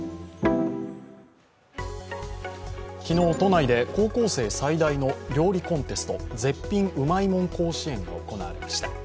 昨日、都内で高校生最大の料理コンテスト、絶品うまいもん甲子園が行われました。